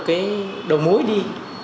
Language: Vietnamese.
cái đầu mối đi